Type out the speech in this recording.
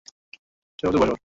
ছয় বছর বয়স ওর!